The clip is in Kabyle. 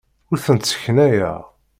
Ur tent-sseknayeɣ.